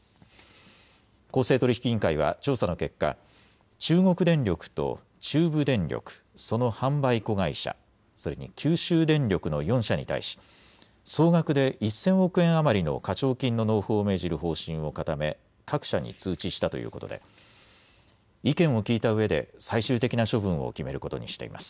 公正取引委員会は調査の結果、中国電力と中部電力、その販売子会社、それに九州電力の４社に対し総額で１０００億円余りの課徴金の納付を命じる方針を固め各社に通知したということで意見を聞いたうえで最終的な処分を決めることにしています。